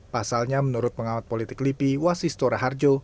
pasalnya menurut pengamat politik lipi wasis tora harjo